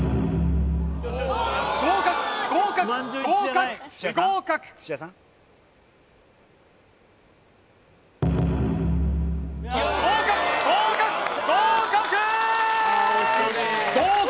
合格合格合格不合格合格合格合格！